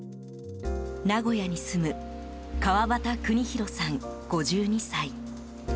名古屋に住む川端邦裕さん、５２歳。